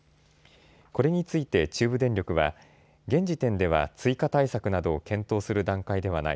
これについて中部電力は現時点では追加対策などを検討する段階ではない。